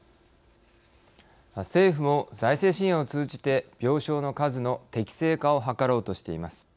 政府も財政支援を通じて病床の数の適正化を図ろうとしています。